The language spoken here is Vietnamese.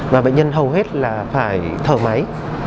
và bệnh nhân hầu hết là phải thở máy